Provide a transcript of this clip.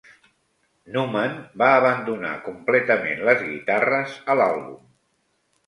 Numan va abandonar completament les guitarres a l'àlbum.